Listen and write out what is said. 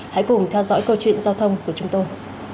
hãy cùng theo dõi câu chuyện giao thông của chúng tôi